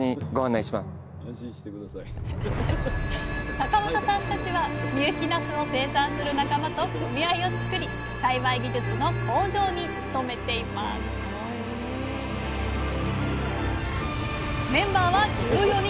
坂本さんたちは深雪なすを生産する仲間と組合を作り栽培技術の向上に努めていますメンバーは１４人。